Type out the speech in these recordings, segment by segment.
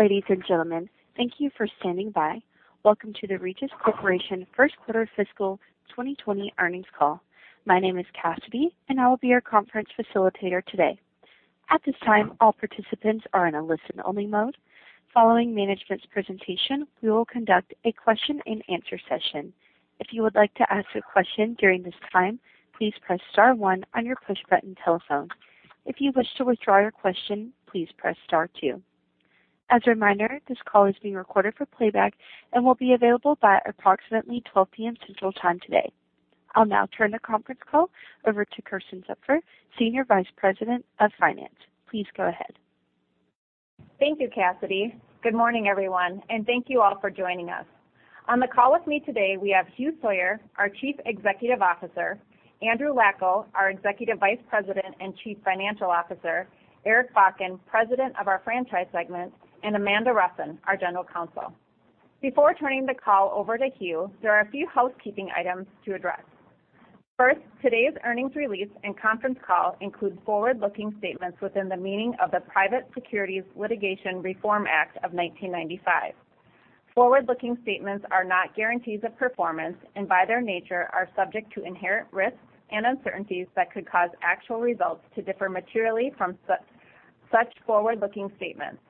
Ladies and gentlemen, thank you for standing by. Welcome to the Regis Corporation First Quarter Fiscal 2020 Earnings Call. My name is Cassidy, and I will be your conference facilitator today. At this time, all participants are in a listen-only mode. Following management's presentation, we will conduct a question and answer session. If you would like to ask a question during this time, please press star one on your push-button telephone. If you wish to withdraw your question, please press star two. As a reminder, this call is being recorded for playback and will be available by approximately 12:00 P.M. Central Time today. I'll now turn the conference call over to Kersten Zupfer, Senior Vice President of Finance. Please go ahead. Thank you, Cassidy. Good morning, everyone, and thank you all for joining us. On the call with me today, we have Hugh Sawyer, our Chief Executive Officer; Andrew Lacko, our Executive Vice President and Chief Financial Officer; Eric Bakken, President of our Franchise Segment; and Amanda Rusin, our General Counsel. Before turning the call over to Hugh, there are a few housekeeping items to address. First, today's earnings release and conference call include forward-looking statements within the meaning of the Private Securities Litigation Reform Act of 1995. Forward-looking statements are not guarantees of performance and, by their nature, are subject to inherent risks and uncertainties that could cause actual results to differ materially from such forward-looking statements.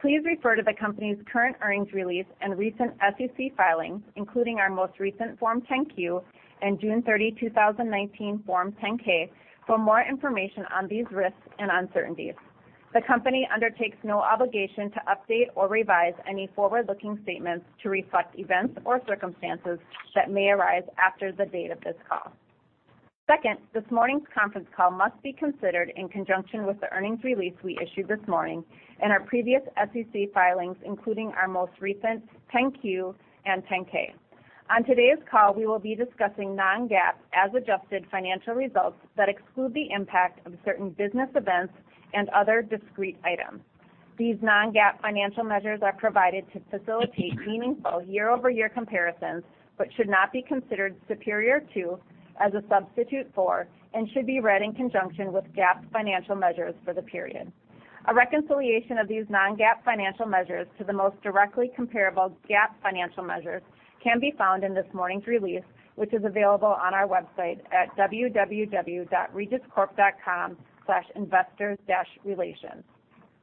Please refer to the company's current earnings release and recent SEC filings, including our most recent Form 10-Q and June 30, 2019, Form 10-K for more information on these risks and uncertainties. The company undertakes no obligation to update or revise any forward-looking statements to reflect events or circumstances that may arise after the date of this call. This morning's conference call must be considered in conjunction with the earnings release we issued this morning and our previous SEC filings, including our most recent 10-Q and 10-K. On today's call, we will be discussing non-GAAP, as adjusted financial results that exclude the impact of certain business events and other discrete items. These non-GAAP financial measures are provided to facilitate meaningful year-over-year comparisons, but should not be considered superior to, as a substitute for, and should be read in conjunction with GAAP financial measures for the period. A reconciliation of these non-GAAP financial measures to the most directly comparable GAAP financial measures can be found in this morning's release, which is available on our website at www.regiscorp.com/investor-relations.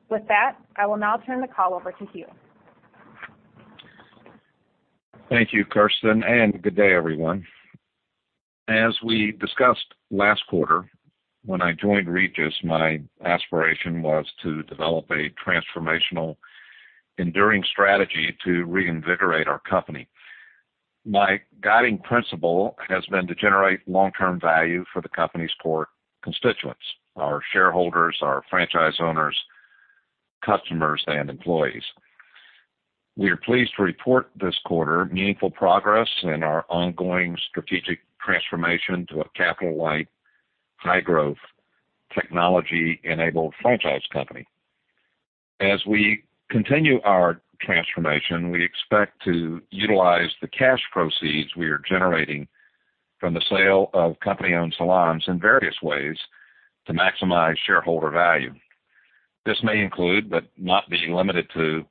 With that, I will now turn the call over to Hugh. Thank you, Kersten, good day, everyone. As we discussed last quarter, when I joined Regis, my aspiration was to develop a transformational, enduring strategy to reinvigorate our company. My guiding principle has been to generate long-term value for the company's core constituents, our shareholders, our franchise owners, customers, and employees. We are pleased to report this quarter meaningful progress in our ongoing strategic transformation to a capital-light, high-growth, technology-enabled franchise company. As we continue our transformation, we expect to utilize the cash proceeds we are generating from the sale of company-owned salons in various ways to maximize shareholder value. This may include, but not being limited to,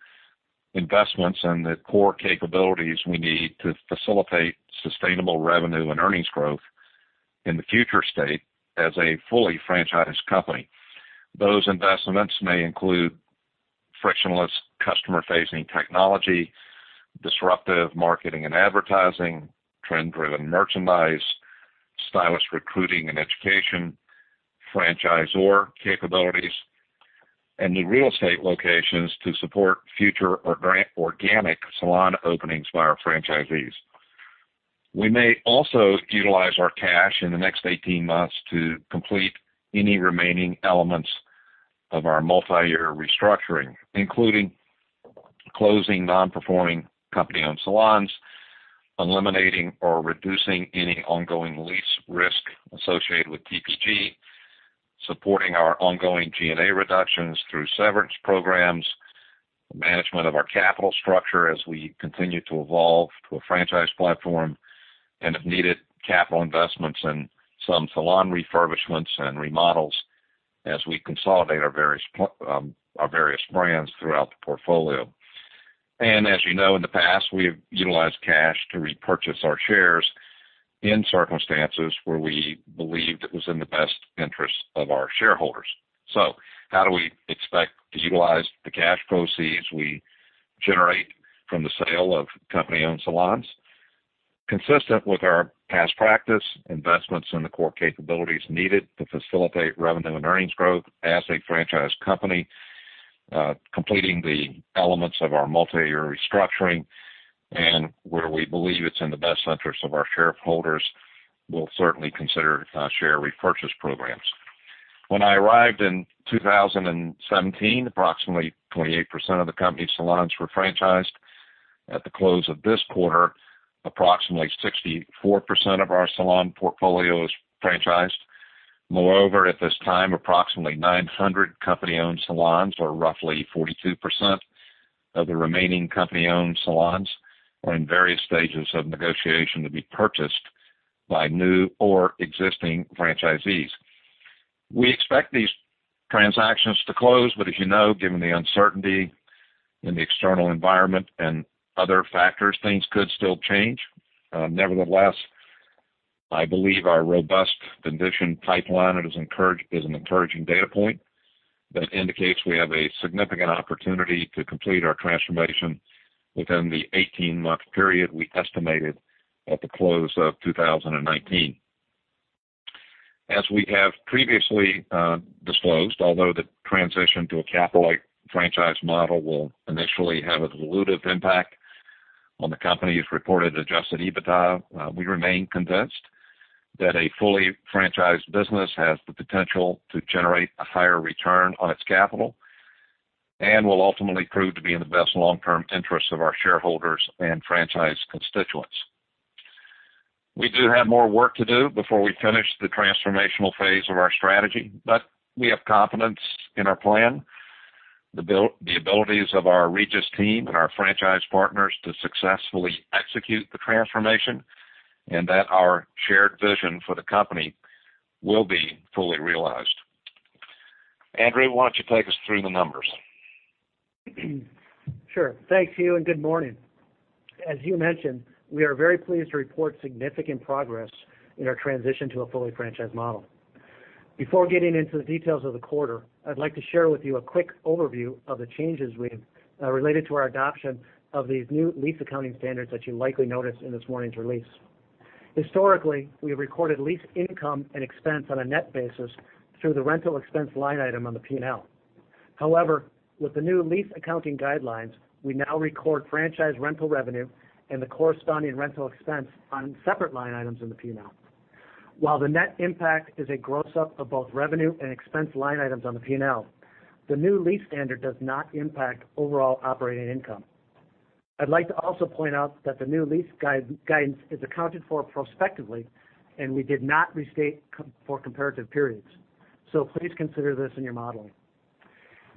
investments in the core capabilities we need to facilitate sustainable revenue and earnings growth in the future state as a fully franchised company. Those investments may include frictionless customer-facing technology, disruptive marketing and advertising, trend-driven merchandise, stylist recruiting and education, franchisor capabilities, and new real estate locations to support future or organic salon openings by our franchisees. We may also utilize our cash in the next 18 months to complete any remaining elements of our multi-year restructuring, including closing non-performing company-owned salons, eliminating or reducing any ongoing lease risk associated with TPG, supporting our ongoing G&A reductions through severance programs, management of our capital structure as we continue to evolve to a franchise platform, and if needed, capital investments in some salon refurbishments and remodels as we consolidate our various brands throughout the portfolio. As you know, in the past, we have utilized cash to repurchase our shares in circumstances where we believed it was in the best interest of our shareholders. How do we expect to utilize the cash proceeds we generate from the sale of company-owned salons? Consistent with our past practice, investments in the core capabilities needed to facilitate revenue and earnings growth as a franchise company, completing the elements of our multi-year restructuring, and where we believe it's in the best interest of our shareholders, we'll certainly consider share repurchase programs. When I arrived in 2017, approximately 28% of the company's salons were franchised. At the close of this quarter, approximately 64% of our salon portfolio is franchised. Moreover, at this time, approximately 900 company-owned salons or roughly 42% of the remaining company-owned salons are in various stages of negotiation to be purchased by new or existing franchisees. We expect these transactions to close. As you know, given the uncertainty in the external environment and other factors, things could still change. Nevertheless, I believe our robust vendition pipeline is an encouraging data point that indicates we have a significant opportunity to complete our transformation within the 18-month period we estimated at the close of 2019. Although the transition to a capital-light franchise model will initially have a dilutive impact on the company's reported adjusted EBITDA, we remain convinced that a fully franchised business has the potential to generate a higher return on its capital, and will ultimately prove to be in the best long-term interests of our shareholders and franchise constituents. We do have more work to do before we finish the transformational phase of our strategy, but we have confidence in our plan, the abilities of our Regis team and our franchise partners to successfully execute the transformation, and that our shared vision for the company will be fully realized. Andrew, why don't you take us through the numbers? Sure. Thanks, Hugh. Good morning. As Hugh mentioned, we are very pleased to report significant progress in our transition to a fully franchise model. Before getting into the details of the quarter, I'd like to share with you a quick overview of the changes related to our adoption of these new lease accounting standards that you likely noticed in this morning's release. Historically, we have recorded lease income and expense on a net basis through the rental expense line item on the P&L. With the new lease accounting guidelines, we now record franchise rental revenue and the corresponding rental expense on separate line items in the P&L. While the net impact is a gross up of both revenue and expense line items on the P&L, the new lease standard does not impact overall operating income. I'd like to also point out that the new lease guidance is accounted for prospectively, and we did not restate for comparative periods. Please consider this in your modeling.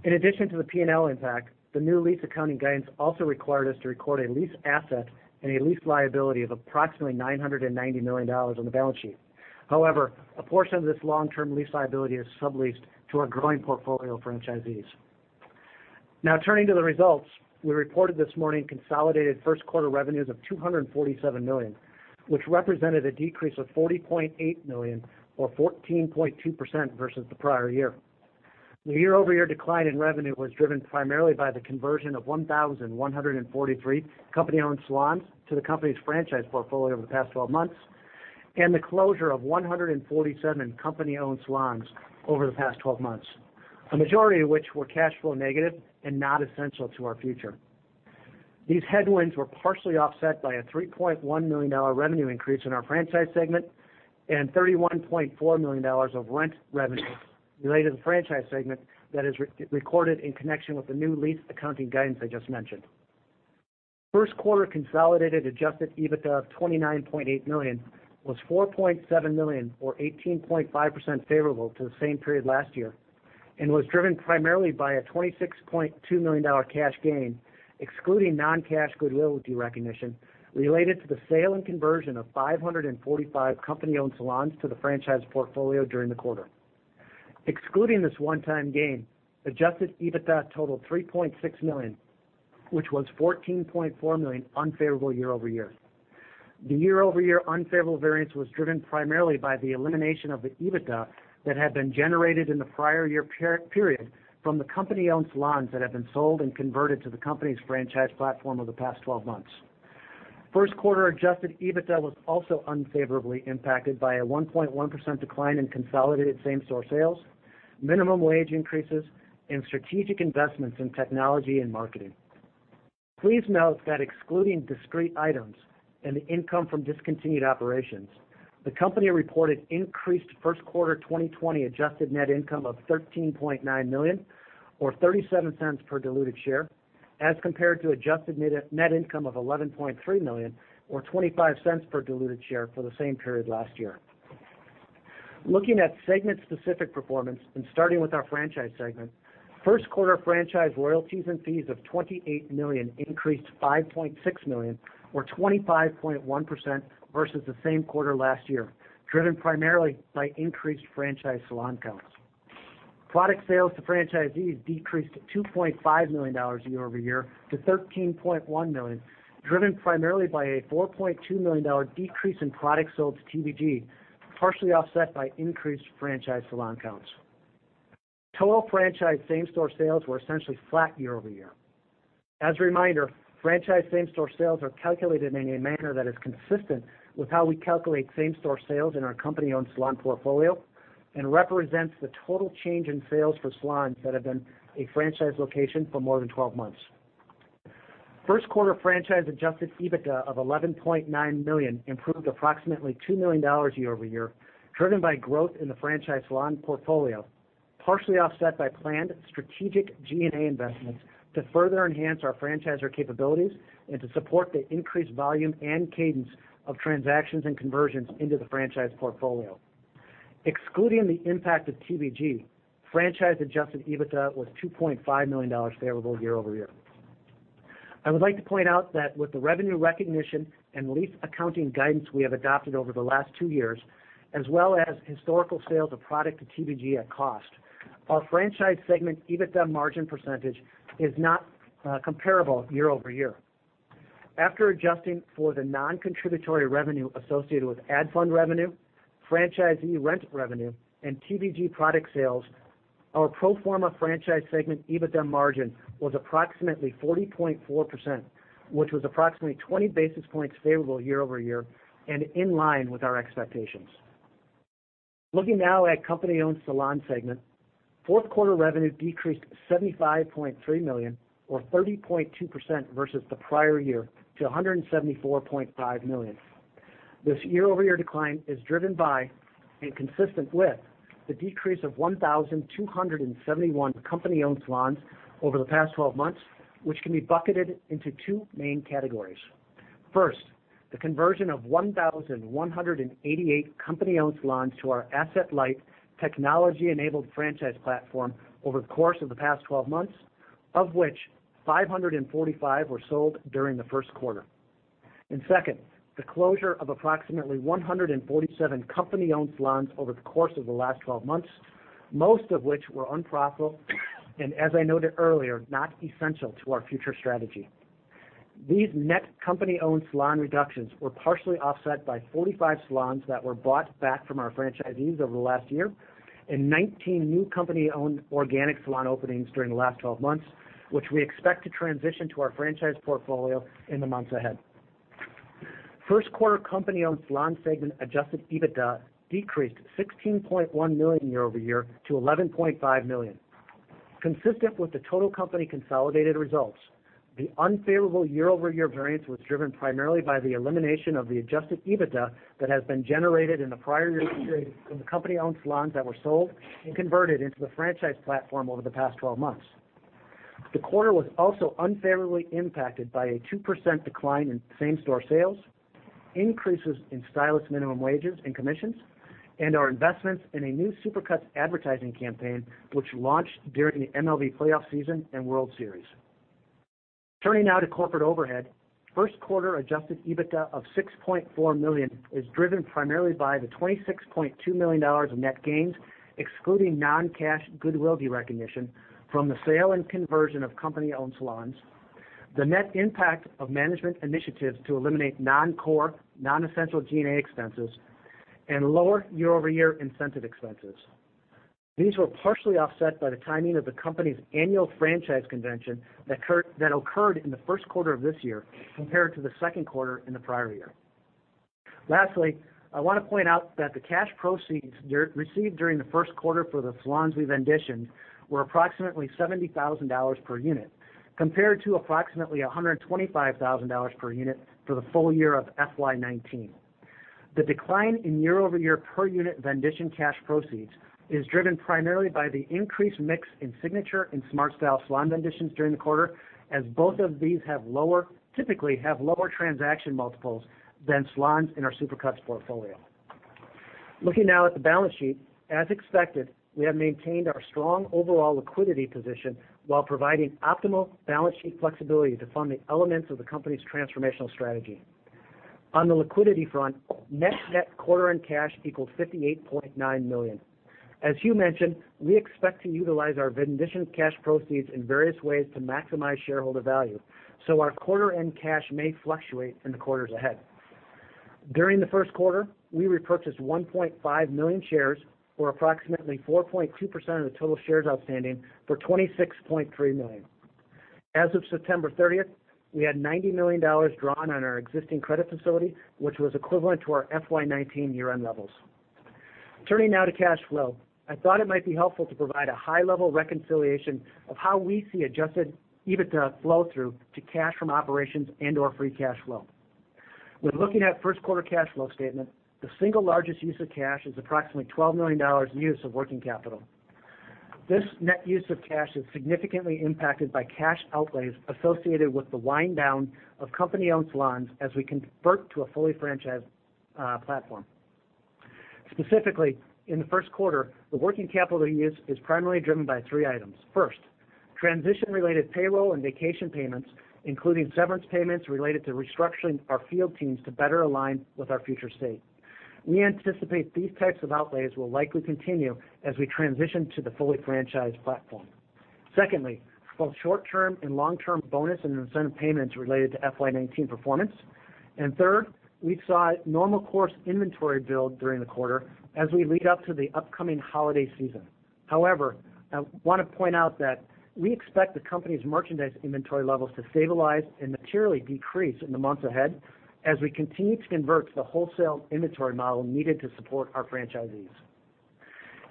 In addition to the P&L impact, the new lease accounting guidance also required us to record a lease asset and a lease liability of approximately $990 million on the balance sheet. However, a portion of this long-term lease liability is subleased to our growing portfolio of franchisees. Now turning to the results, we reported this morning consolidated first quarter revenues of $247 million, which represented a decrease of $40.8 million or 14.2% versus the prior year. The year-over-year decline in revenue was driven primarily by the conversion of 1,143 company-owned salons to the company's franchise portfolio over the past 12 months, and the closure of 147 company-owned salons over the past 12 months, a majority of which were cash flow negative and not essential to our future. These headwinds were partially offset by a $3.1 million revenue increase in our franchise segment and $31.4 million of rent revenue related to the franchise segment that is recorded in connection with the new lease accounting guidance I just mentioned. First quarter consolidated adjusted EBITDA of $29.8 million was $4.7 million, or 18.5% favorable to the same period last year, and was driven primarily by a $26.2 million cash gain, excluding non-cash goodwill recognition related to the sale and conversion of 545 company-owned salons to the franchise portfolio during the quarter. Excluding this one-time gain, adjusted EBITDA totaled $3.6 million, which was $14.4 million unfavorable year-over-year. The year-over-year unfavorable variance was driven primarily by the elimination of the EBITDA that had been generated in the prior year period from the company-owned salons that have been sold and converted to the company's franchise platform over the past 12 months. First quarter adjusted EBITDA was also unfavorably impacted by a 1.1% decline in consolidated same-store sales, minimum wage increases and strategic investments in technology and marketing. Please note that excluding discrete items and the income from discontinued operations, the company reported increased first quarter 2020 adjusted net income of $13.9 million or $0.37 per diluted share, as compared to adjusted net income of $11.3 million or $0.25 per diluted share for the same period last year. Looking at segment specific performance and starting with our franchise segment, first quarter franchise royalties and fees of $28 million increased $5.6 million or 25.1% versus the same quarter last year, driven primarily by increased franchise salon counts. Product sales to franchisees decreased to $2.5 million year-over-year to $13.1 million, driven primarily by a $4.2 million decrease in products sold to TVG, partially offset by increased franchise salon counts. Total franchise same-store sales were essentially flat year-over-year. As a reminder, franchise same-store sales are calculated in a manner that is consistent with how we calculate same-store sales in our company-owned salon portfolio and represents the total change in sales for salons that have been a franchise location for more than 12 months. First quarter franchise adjusted EBITDA of $11.9 million improved approximately $2 million year-over-year, driven by growth in the franchise salon portfolio, partially offset by planned strategic G&A investments to further enhance our franchisor capabilities and to support the increased volume and cadence of transactions and conversions into the franchise portfolio. Excluding the impact of TVG, franchise adjusted EBITDA was $2.5 million favorable year-over-year. I would like to point out that with the revenue recognition and lease accounting guidance we have adopted over the last two years, as well as historical sales of product to TBG at cost, our franchise segment EBITDA margin percentage is not comparable year-over-year. After adjusting for the non-contributory revenue associated with ad fund revenue, franchisee rent revenue, and TBG product sales, our pro forma franchise segment EBITDA margin was approximately 40.4%, which was approximately 20 basis points favorable year-over-year and in line with our expectations. Looking now at company-owned salon segment, fourth quarter revenue decreased $75.3 million or 30.2% versus the prior year to $174.5 million. This year-over-year decline is driven by and consistent with the decrease of 1,271 company-owned salons over the past 12 months, which can be bucketed into two main categories. First, the conversion of 1,188 company-owned salons to our asset-light technology-enabled franchise platform over the course of the past 12 months, of which 545 were sold during the first quarter. Second, the closure of approximately 147 company-owned salons over the course of the last 12 months, most of which were unprofitable and, as I noted earlier, not essential to our future strategy. These net company-owned salon reductions were partially offset by 45 salons that were bought back from our franchisees over the last year and 19 new company-owned organic salon openings during the last 12 months, which we expect to transition to our franchise portfolio in the months ahead. First quarter company-owned salon segment adjusted EBITDA decreased $16.1 million year-over-year to $11.5 million. Consistent with the total company consolidated results, the unfavorable year-over-year variance was driven primarily by the elimination of the adjusted EBITDA that has been generated in the prior year period from the company-owned salons that were sold and converted into the franchise platform over the past 12 months. The quarter was also unfavorably impacted by a 2% decline in same-store sales, increases in stylist minimum wages and commissions, and our investments in a new Supercuts advertising campaign, which launched during the MLB playoff season and World Series. Turning now to corporate overhead, first quarter adjusted EBITDA of $6.4 million is driven primarily by the $26.2 million of net gains, excluding non-cash goodwill recognition from the sale and conversion of company-owned salons, the net impact of management initiatives to eliminate non-core, non-essential G&A expenses, and lower year-over-year incentive expenses. These were partially offset by the timing of the company's annual franchise convention that occurred in the first quarter of this year compared to the second quarter in the prior year. Lastly, I want to point out that the cash proceeds received during the first quarter for the salons we venditioned were approximately $70,000 per unit, compared to approximately $125,000 per unit for the full year of FY 2019. The decline in year-over-year per-unit vendition cash proceeds is driven primarily by the increased mix in Signature and SmartStyle salon venditions during the quarter, as both of these typically have lower transaction multiples than salons in our Supercuts portfolio. Looking now at the balance sheet, as expected, we have maintained our strong overall liquidity position while providing optimal balance sheet flexibility to fund the elements of the company's transformational strategy. On the liquidity front, net quarter-end cash equals $58.9 million. As Hugh mentioned, we expect to utilize our vendition cash proceeds in various ways to maximize shareholder value. Our quarter-end cash may fluctuate in the quarters ahead. During the first quarter, we repurchased 1.5 million shares, or approximately 4.2% of the total shares outstanding, for $26.3 million. As of September 30th, we had $90 million drawn on our existing credit facility, which was equivalent to our FY 2019 year-end levels. Turning now to cash flow, I thought it might be helpful to provide a high-level reconciliation of how we see adjusted EBITDA flow through to cash from operations and/or free cash flow. When looking at first quarter cash flow statement, the single largest use of cash is approximately $12 million use of working capital. This net use of cash is significantly impacted by cash outlays associated with the wind-down of company-owned salons as we convert to a fully franchised platform. Specifically, in the first quarter, the working capital use is primarily driven by three items. First, transition-related payroll and vacation payments, including severance payments related to restructuring our field teams to better align with our future state. We anticipate these types of outlays will likely continue as we transition to the fully franchised platform. Secondly, both short-term and long-term bonus and incentive payments related to FY 2019 performance. Third, we saw normal course inventory build during the quarter as we lead up to the upcoming holiday season. However, I want to point out that we expect the company's merchandise inventory levels to stabilize and materially decrease in the months ahead as we continue to convert to the wholesale inventory model needed to support our franchisees.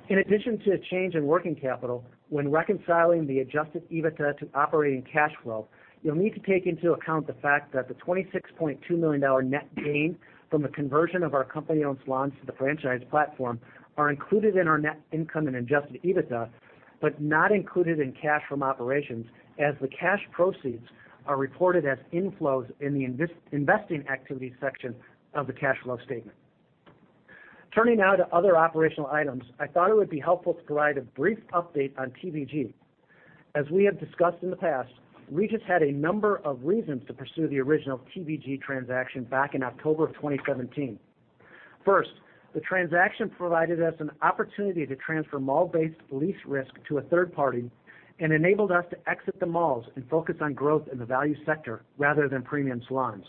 In addition to a change in working capital, when reconciling the adjusted EBITDA to operating cash flow, you'll need to take into account the fact that the $26.2 million net gain from the conversion of our company-owned salons to the franchise platform are included in our net income and adjusted EBITDA, but not included in cash from operations, as the cash proceeds are reported as inflows in the investing activities section of the cash flow statement. Turning now to other operational items, I thought it would be helpful to provide a brief update on TVG. As we have discussed in the past, Regis had a number of reasons to pursue the original TVG transaction back in October of 2017. The transaction provided us an opportunity to transfer mall-based lease risk to a third party and enabled us to exit the malls and focus on growth in the value sector rather than premium salons.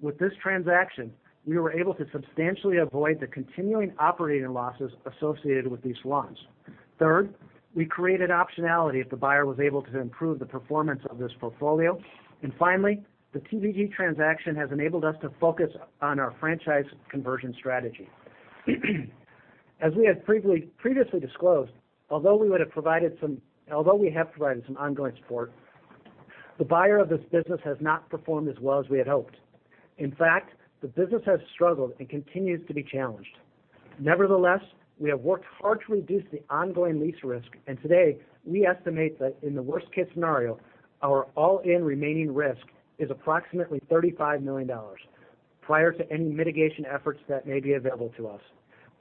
With this transaction, we were able to substantially avoid the continuing operating losses associated with these salons. We created optionality if the buyer was able to improve the performance of this portfolio. Finally, the TVG transaction has enabled us to focus on our franchise conversion strategy. As we had previously disclosed, although we have provided some ongoing support, the buyer of this business has not performed as well as we had hoped. In fact, the business has struggled and continues to be challenged. Nevertheless, we have worked hard to reduce the ongoing lease risk. Today we estimate that in the worst-case scenario, our all-in remaining risk is approximately $35 million, prior to any mitigation efforts that may be available to us.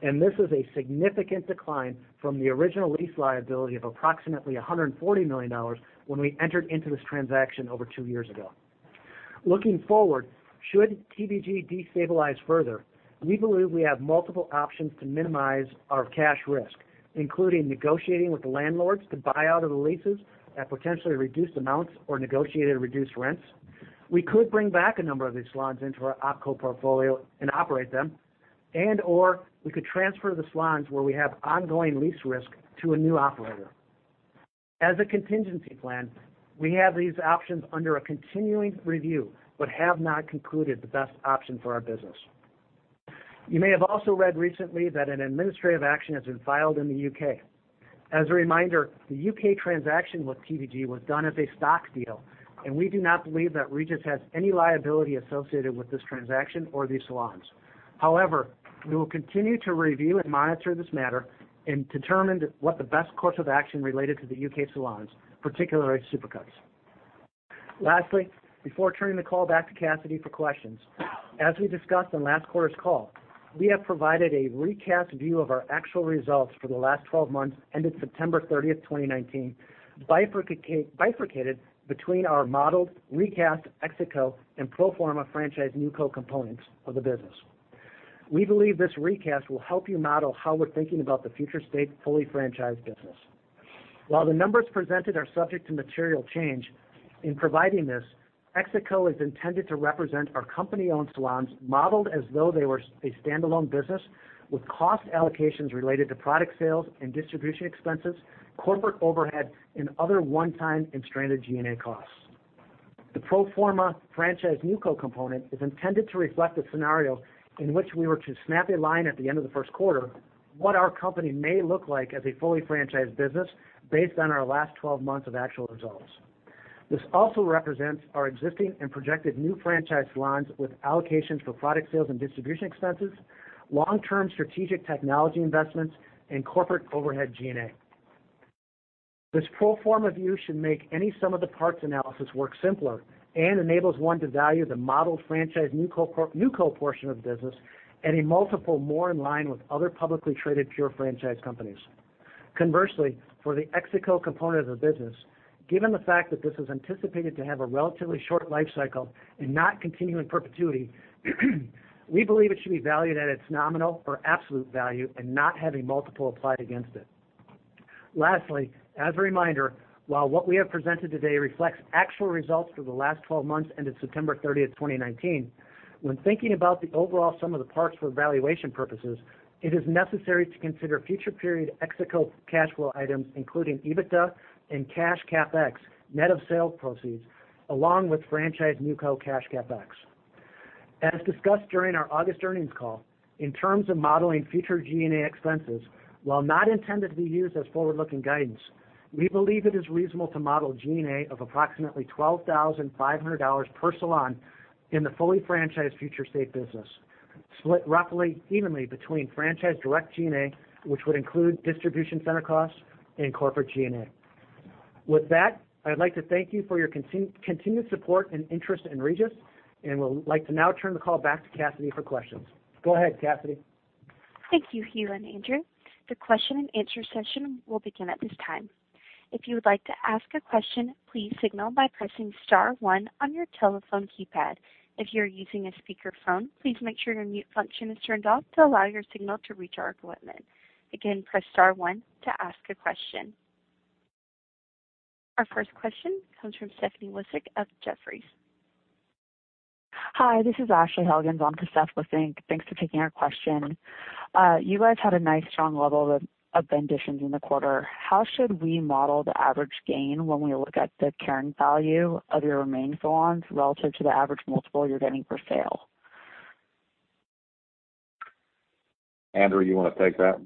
This is a significant decline from the original lease liability of approximately $140 million when we entered into this transaction over two years ago. Looking forward, should TVG destabilize further, we believe we have multiple options to minimize our cash risk, including negotiating with the landlords to buy out of the leases at potentially reduced amounts or negotiated reduced rents. We could bring back a number of these salons into our OpCo portfolio and operate them, and/or we could transfer the salons where we have ongoing lease risk to a new operator. As a contingency plan, we have these options under a continuing review but have not concluded the best option for our business. You may have also read recently that an administrative action has been filed in the U.K. As a reminder, the U.K. transaction with TVG was done as a stock deal, and we do not believe that Regis has any liability associated with this transaction or these salons. However, we will continue to review and monitor this matter and determine what the best course of action related to the U.K. salons, particularly Supercuts. Lastly, before turning the call back to Cassidy for questions, as we discussed on last quarter's call, we have provided a recast view of our actual results for the last 12 months ended September 30th, 2019, bifurcated between our modeled recast ExCo and pro forma franchise NewCo components of the business. We believe this recast will help you model how we're thinking about the future state fully franchised business. While the numbers presented are subject to material change, in providing this, ExCo is intended to represent our company-owned salons modeled as though they were a standalone business with cost allocations related to product sales and distribution expenses, corporate overhead, and other one-time and stranded G&A costs. The pro forma franchise NewCo component is intended to reflect a scenario in which we were to snap a line at the end of the first quarter, what our company may look like as a fully franchised business based on our last 12 months of actual results. This also represents our existing and projected new franchise salons with allocations for product sales and distribution expenses, long-term strategic technology investments, and corporate overhead G&A. This pro forma view should make any sum of the parts analysis work simpler and enables one to value the modeled franchise NewCo portion of the business at a multiple more in line with other publicly traded pure franchise companies. Conversely, for the ExCo component of the business, given the fact that this is anticipated to have a relatively short life cycle and not continue in perpetuity, we believe it should be valued at its nominal or absolute value and not have a multiple applied against it. Lastly, as a reminder, while what we have presented today reflects actual results for the last 12 months ended September 30th, 2019, when thinking about the overall sum of the parts for valuation purposes, it is necessary to consider future period ExCo cash flow items, including EBITDA and cash CapEx, net of sale proceeds, along with franchise NewCo cash CapEx. As discussed during our August earnings call, in terms of modeling future G&A expenses, while not intended to be used as forward-looking guidance, we believe it is reasonable to model G&A of approximately $12,500 per salon in the fully franchised future state business, split roughly evenly between franchise direct G&A, which would include distribution center costs and corporate G&A. With that, I'd like to thank you for your continued support and interest in Regis, and would like to now turn the call back to Cassidy for questions. Go ahead, Cassidy. Thank you, Hugh and Andrew. The question and answer session will begin at this time. If you would like to ask a question, please signal by pressing star one on your telephone keypad. If you're using a speakerphone, please make sure your mute function is turned off to allow your signal to reach our equipment. Again, press star one to ask a question. Our first question comes from Stephanie Wissink of Jefferies. Hi, this is Ashley Helgans on to Stephanie Wissink. Thanks for taking our question. You guys had a nice strong level of additions in the quarter. How should we model the average gain when we look at the carrying value of your remaining salons relative to the average multiple you're getting for sale? Andrew, you want to take that?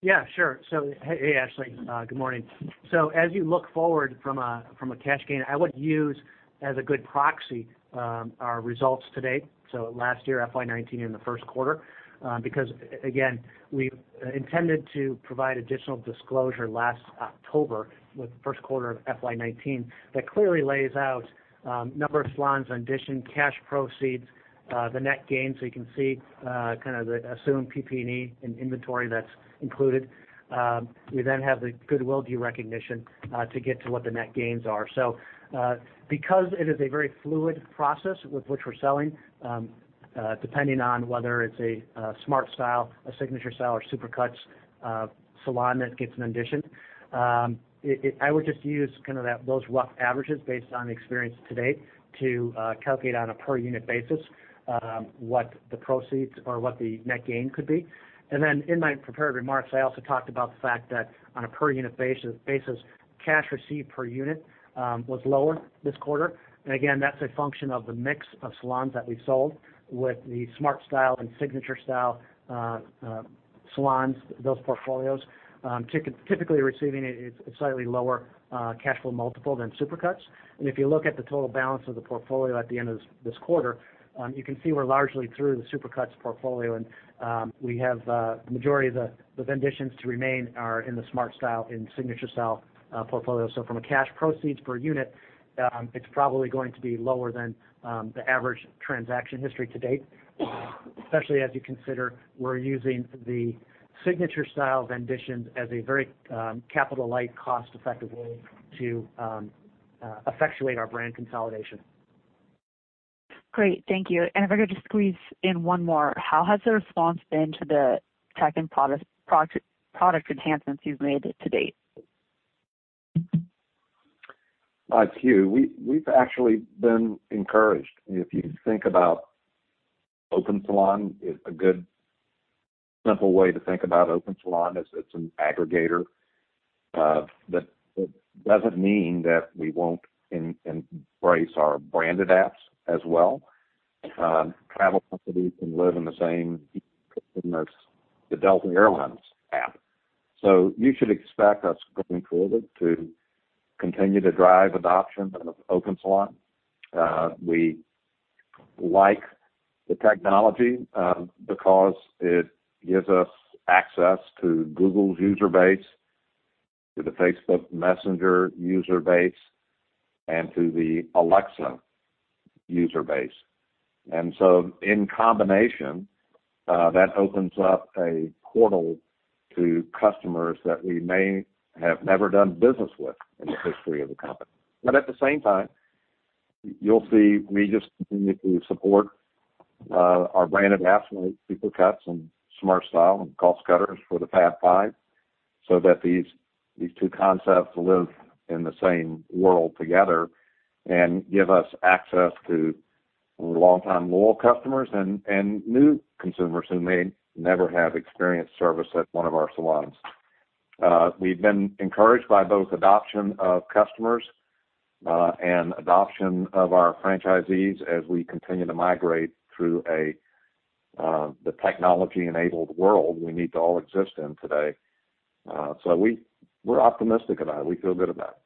Yeah, sure. Hey, Ashley. Good morning. As you look forward from a cash gain, I would use as a good proxy our results to date, so last year, FY 2019 and the first quarter, because again, we intended to provide additional disclosure last October with the first quarter of FY 2019 that clearly lays out number of salons on addition, cash proceeds, the net gains. You can see the assumed PP&E and inventory that's included. We have the goodwill derecognition to get to what the net gains are. Because it is a very fluid process with which we're selling, depending on whether it's a SmartStyle, a Signature Style, or Supercuts salon that gets an addition, I would just use those rough averages based on the experience to date to calculate on a per unit basis, what the proceeds or what the net gain could be. Then in my prepared remarks, I also talked about the fact that on a per unit basis, cash received per unit was lower this quarter. Again, that's a function of the mix of salons that we sold with the SmartStyle and Signature Style salons, those portfolios, typically receiving a slightly lower cash flow multiple than Supercuts. If you look at the total balance of the portfolio at the end of this quarter, you can see we're largely through the Supercuts portfolio, and the majority of the venditions to remain are in the SmartStyle and Signature Style portfolios. From a cash proceeds per unit, it's probably going to be lower than the average transaction history to date, especially as you consider we're using the Signature Style venditions as a very capital light, cost-effective way to effectuate our brand consolidation. Great. Thank you. If I could just squeeze in one more, how has the response been to the tech and product enhancements you've made to date? Thank you. We've actually been encouraged. If you think about Open Salon, a good simple way to think about Open Salon is it's an aggregator. That doesn't mean that we won't embrace our branded apps as well. Travel companies can live in the same ecosystem as the Delta Air Lines app. You should expect us going forward to continue to drive adoption of Open Salon. We like the technology because it gives us access to Google's user base, to the Facebook Messenger user base, and to the Alexa user base. In combination, that opens up a portal to customers that we may have never done business with in the history of the company. At the same time, you'll see we just continue to support our branded apps, whether it's Supercuts and SmartStyle and Cost Cutters for the Fab Five, so that these two concepts live in the same world together and give us access to longtime loyal customers and new consumers who may never have experienced service at one of our salons. We've been encouraged by both adoption of customers, and adoption of our franchisees as we continue to migrate through the technology-enabled world we need to all exist in today. We're optimistic about it. We feel good about it.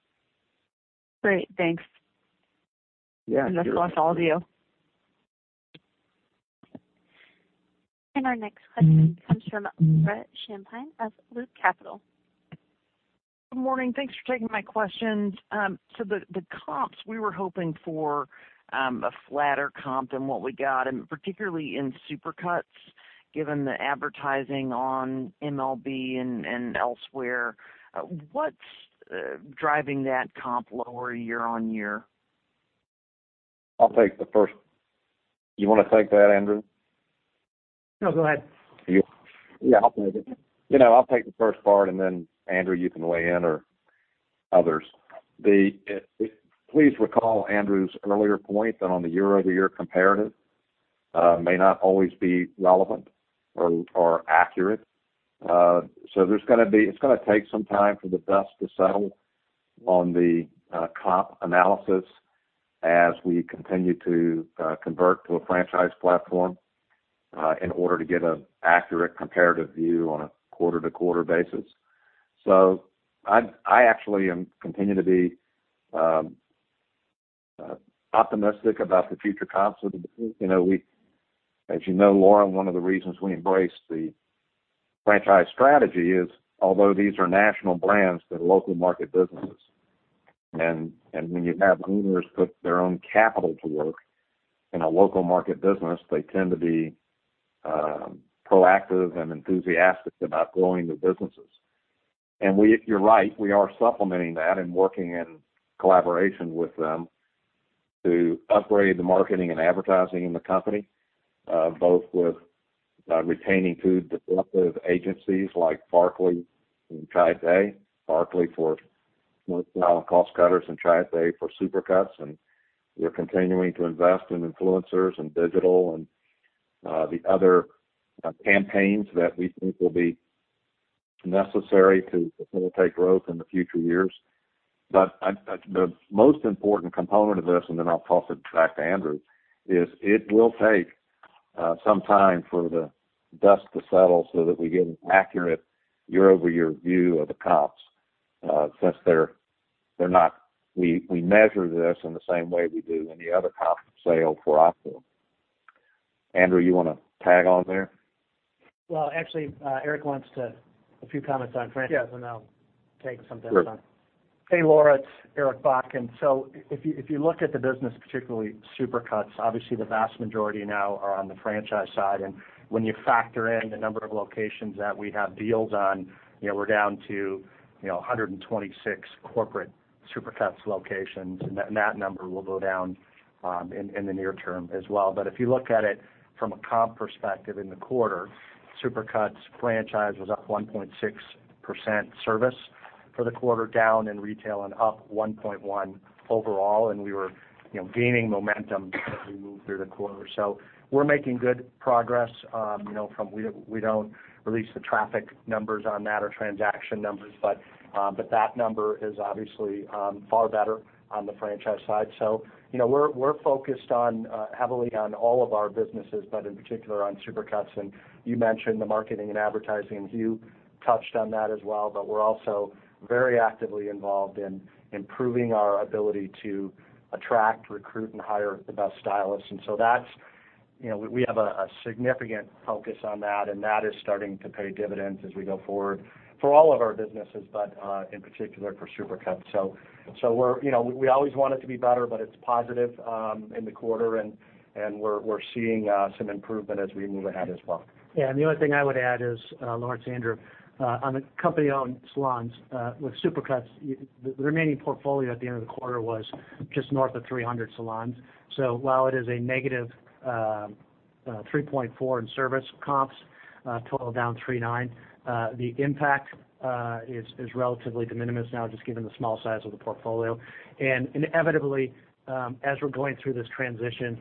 Great. Thanks. Yeah. Sure. Good luck with all of you. Our next question comes from Laura Champine of Loop Capital. Good morning. Thanks for taking my questions. The comps, we were hoping for a flatter comp than what we got, and particularly in Supercuts, given the advertising on MLB and elsewhere. What's driving that comp lower year-on-year? I'll take the first. You want to take that, Andrew? No, go ahead. Yeah, I'll take it. I'll take the first part. Andrew, you can weigh in or others. Please recall Andrew's earlier point that on the year-over-year comparative may not always be relevant or accurate. It's going to take some time for the dust to settle on the comp analysis as we continue to convert to a franchise platform in order to get an accurate comparative view on a quarter-to-quarter basis. I actually am continuing to be optimistic about the future comps of the business. As you know, Laura, one of the reasons we embrace the franchise strategy is although these are national brands, they're local market businesses. When you have owners put their own capital to work in a local market business, they tend to be proactive and enthusiastic about growing the businesses. You're right, we are supplementing that and working in collaboration with them to upgrade the marketing and advertising in the company, both with retaining two disruptive agencies like Barclay and Tribe A, Barclay for SmartStyle and Cost Cutters, and Tribe A for Supercuts. We're continuing to invest in influencers and digital and the other campaigns that we think will be necessary to facilitate growth in the future years. The most important component of this, and then I'll toss it back to Andrew, is it will take some time for the dust to settle so that we get an accurate year-over-year view of the comps, since we measure this in the same way we do any other comp sale for OpCo. Andrew, you want to tag on there? Well, actually, Eric wants a few comments on franchise. Yeah I'll take some time. Sure. Hey, Laura, it's Eric Bakken. If you look at the business, particularly Supercuts, obviously the vast majority now are on the franchise side. When you factor in the number of locations that we have deals on, we're down to 126 corporate Supercuts locations, and that number will go down in the near term as well. If you look at it from a comp perspective in the quarter, Supercuts franchise was up 1.6% service for the quarter, down in retail and up 1.1 overall, and we were gaining momentum as we moved through the quarter. We're making good progress. We don't release the traffic numbers on that or transaction numbers, but that number is obviously far better on the franchise side. We're focused heavily on all of our businesses, but in particular on Supercuts. You mentioned the marketing and advertising, and Hugh touched on that as well, but we're also very actively involved in improving our ability to attract, recruit, and hire the best stylists. We have a significant focus on that, and that is starting to pay dividends as we go forward for all of our businesses, but in particular for Supercuts. We always want it to be better, but it's positive in the quarter, and we're seeing some improvement as we move ahead as well. Yeah. The only thing I would add is, Laura, it's Andrew. On the company-owned salons with Supercuts, the remaining portfolio at the end of the quarter was just north of 300 salons. While it is a negative 3.4% in service comps, total down 3.9%, the impact is relatively de minimis now, just given the small size of the portfolio. Inevitably, as we're going through this transition,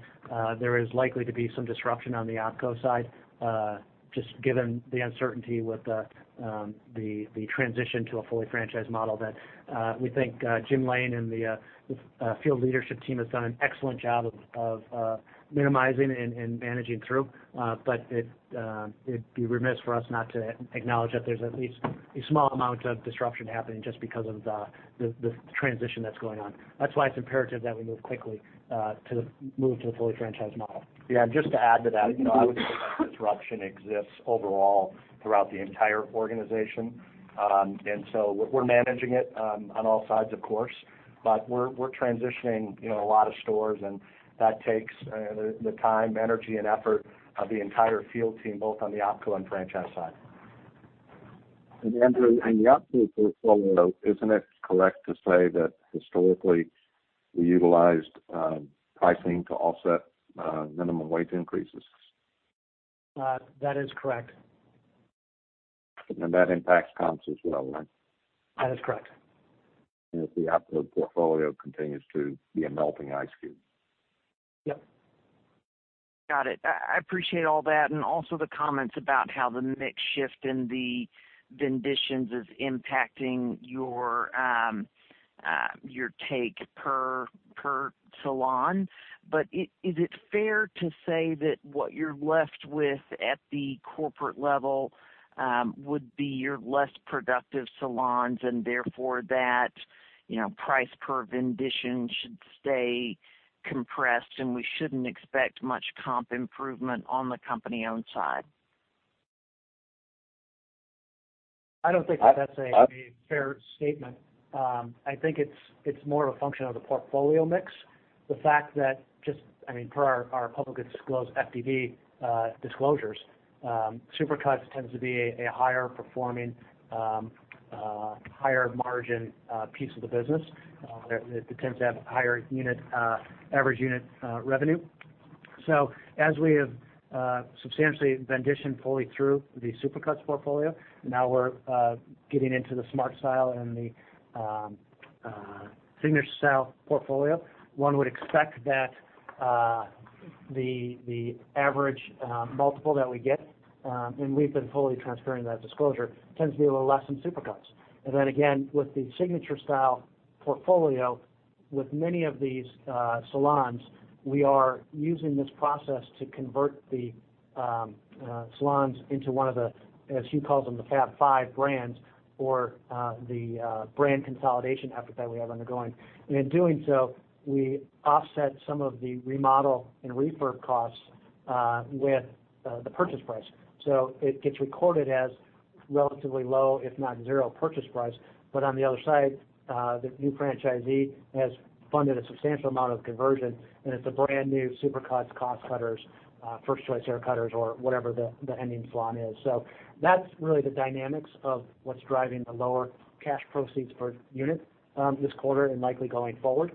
there is likely to be some disruption on the OpCo side, just given the uncertainty with the transition to a fully franchised model that we think Jim Lain and the field leadership team has done an excellent job of minimizing and managing through. It'd be remiss for us not to acknowledge that there's at least a small amount of disruption happening just because of the transition that's going on. That's why it's imperative that we move quickly to move to the fully franchised model. Yeah, just to add to that, I would say that disruption exists overall throughout the entire organization. We're managing it on all sides, of course, but we're transitioning a lot of stores, and that takes the time, energy, and effort of the entire field team, both on the OpCo and franchise side. Andrew, in the OpCo portfolio, isn't it correct to say that historically, we utilized pricing to offset minimum wage increases? That is correct. That impacts comps as well, right? That is correct. If the OpCo portfolio continues to be a melting ice cube. Yep. Got it. I appreciate all that, and also the comments about how the mix shift in the venditions is impacting your take per salon. Is it fair to say that what you're left with at the corporate level would be your less productive salons, and therefore that price per vendition should stay compressed, and we shouldn't expect much comp improvement on the company-owned side? I don't think that's a fair statement. I think it's more of a function of the portfolio mix. The fact that just, per our publicly disclosed FDD disclosures, Supercuts tends to be a higher performing, higher margin piece of the business. It tends to have higher average unit revenue. As we have substantially venditioned fully through the Supercuts portfolio, now we're getting into the SmartStyle and the Signature Style portfolio. One would expect that the average multiple that we get, and we've been fully transparent in that disclosure, tends to be a little less than Supercuts. Then again, with the Signature Style portfolio, with many of these salons, we are using this process to convert the salons into one of the, as Hugh calls them, the Fab Five brands for the brand consolidation effort that we have undergoing. In doing so, we offset some of the remodel and refurb costs with the purchase price. It gets recorded as relatively low, if not zero purchase price. On the other side, the new franchisee has funded a substantial amount of conversion, and it's a brand new Supercuts, Cost Cutters, First Choice Haircutters, or whatever the ending salon is. That's really the dynamics of what's driving the lower cash proceeds per unit this quarter and likely going forward.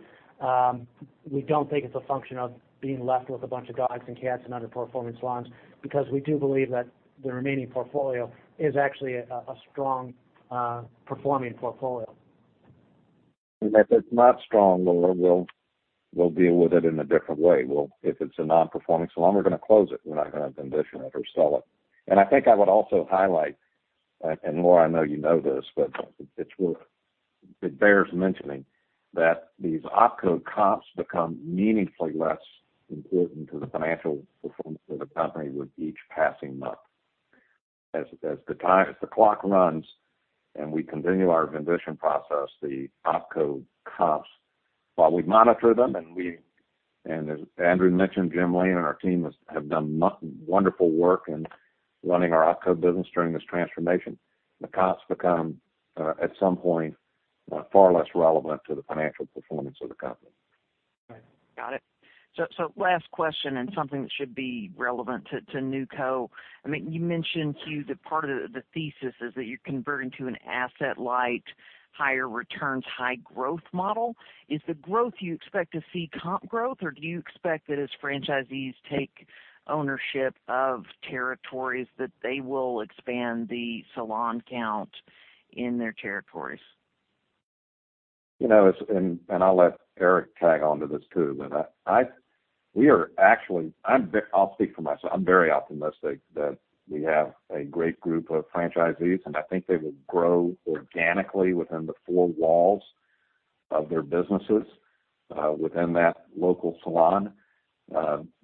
We don't think it's a function of being left with a bunch of dogs and cats and underperforming salons, because we do believe that the remaining portfolio is actually a strong-performing portfolio. If it's not strong, we'll deal with it in a different way. If it's a non-performing salon, we're going to close it, we're not going to condition it or sell it. I think I would also highlight, Laura, I know you know this, but it bears mentioning that these OpCo comps become meaningfully less important to the financial performance of the company with each passing month. As the clock runs and we continue our vendition process, the OpCo comps, while we monitor them, and as Andrew mentioned, Jim Lain and our team have done wonderful work in running our OpCo business during this transformation. The comps become, at some point, far less relevant to the financial performance of the company. Right. Got it. Last question, and something that should be relevant to NewCo. You mentioned, Hugh, that part of the thesis is that you're converting to an asset-light, higher returns, high growth model. Is the growth you expect to see comp growth, or do you expect that as franchisees take ownership of territories, that they will expand the salon count in their territories? I'll let Eric tag onto this too. I'll speak for myself. I'm very optimistic that we have a great group of franchisees, and I think they will grow organically within the four walls of their businesses, within that local salon.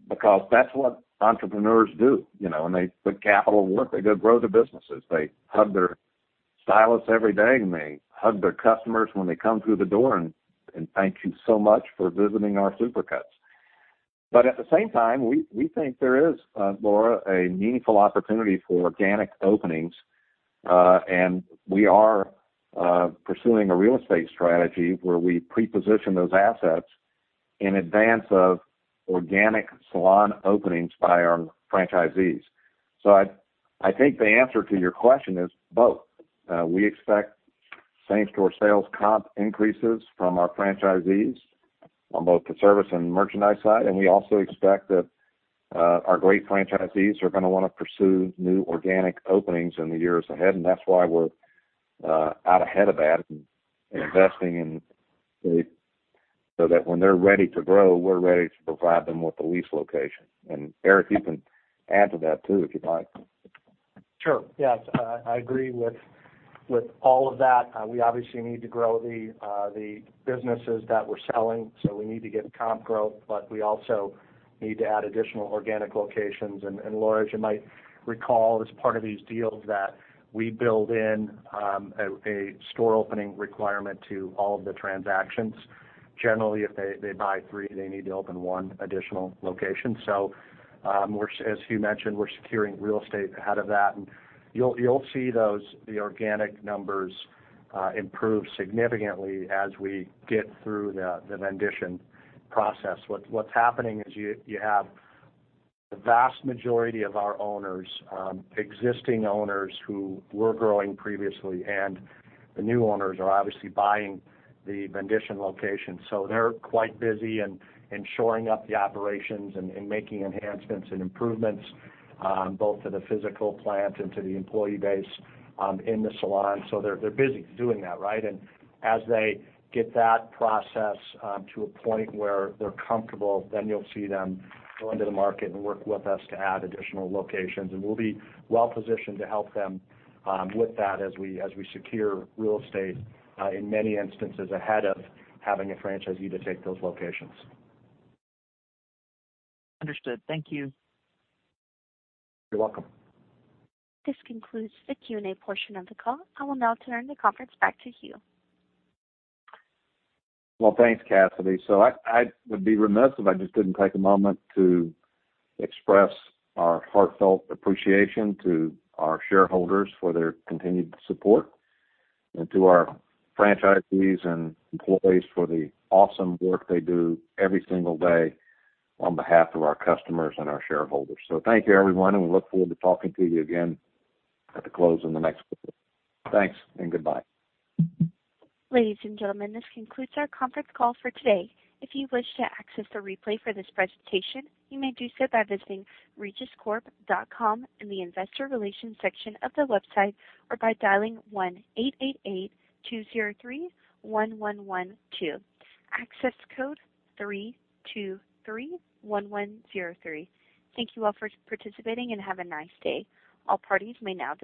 Because that's what entrepreneurs do. When they put capital to work, they go grow their businesses. They hug their stylists every day, and they hug their customers when they come through the door, and thank you so much for visiting our Supercuts. At the same time, we think there is, Laura, a meaningful opportunity for organic openings. We are pursuing a real estate strategy where we pre-position those assets in advance of organic salon openings by our franchisees. I think the answer to your question is both. We expect same-store sales comp increases from our franchisees on both the service and merchandise side. We also expect that our great franchisees are going to want to pursue new organic openings in the years ahead, and that's why we're out ahead of that and investing so that when they're ready to grow, we're ready to provide them with a lease location. Eric, you can add to that too, if you'd like. Sure, yes. I agree with all of that. We obviously need to grow the businesses that we're selling, we need to get comp growth, but we also need to add additional organic locations. Laura, as you might recall, as part of these deals that we build in a store opening requirement to all of the transactions. Generally, if they buy three, they need to open one additional location. As Hugh mentioned, we're securing real estate ahead of that, and you'll see the organic numbers improve significantly as we get through the vendition process. What's happening is you have the vast majority of our owners, existing owners who were growing previously, and the new owners are obviously buying the vendition location. They're quite busy in shoring up the operations and making enhancements and improvements, both to the physical plant and to the employee base in the salon. They're busy doing that, right? As they get that process to a point where they're comfortable, you'll see them go into the market and work with us to add additional locations. We'll be well-positioned to help them with that as we secure real estate, in many instances ahead of having a franchisee to take those locations. Understood. Thank you. You're welcome. This concludes the Q&A portion of the call. I will now turn the conference back to Hugh. Well, thanks, Cassidy. I would be remiss if I just didn't take a moment to express our heartfelt appreciation to our shareholders for their continued support. To our franchisees and employees for the awesome work they do every single day on behalf of our customers and our shareholders. Thank you, everyone, and we look forward to talking to you again at the close in the next quarter. Thanks and goodbye. Ladies and gentlemen, this concludes our conference call for today. If you wish to access the replay for this presentation, you may do so by visiting regiscorp.com in the investor relations section of the website, or by dialing 1-888-203-1112. Access code 3231103. Thank you all for participating, and have a nice day. All parties may now disconnect.